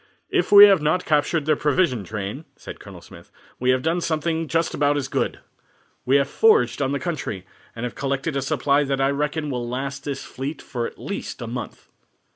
"If we have not captured their provision train," said Colonel Smith, "we have done something just about as good. We have foraged on the country, and have collected a supply that I reckon will last this fleet for at least a month."